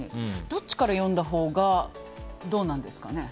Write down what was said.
どっちから読んだほうがどうなんですかね。